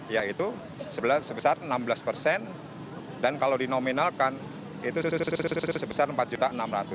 yaitu sebesar enam belas persen dan kalau dinominalkan itu sebesar rp empat enam ratus